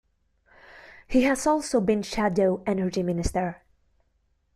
He has also been Shadow Energy Minister.